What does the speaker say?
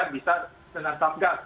bisa dengan satgas